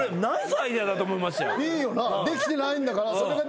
いいよな？